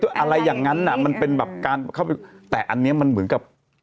อะไรอย่างนั้นน่ะมันเป็นแบบการเข้าไปแต่อันนี้มันเหมือนกับ